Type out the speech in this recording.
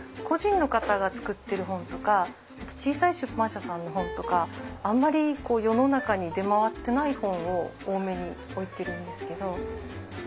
個人の方が作ってる本とか小さい出版社さんの本とかあんまり世の中に出回ってない本を多めに置いてるんですけど。